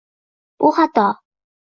Bu xato